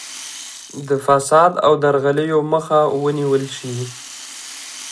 د فساد او درغلیو مخه ونیول شي.